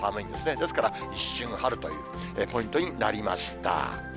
ですから一瞬春というポイントになりました。